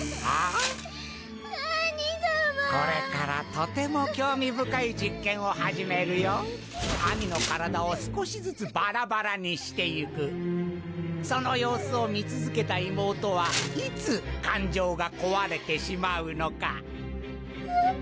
とても興味深い実験を始めるよ兄の体を少しずつバラバラにしていくその様子を見続けた妹はいつ感情が壊れてしまうのかえ？